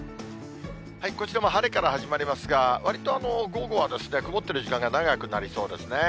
こちらも晴れから始まりますが、わりと午後は曇ってる時間が長くなりそうですね。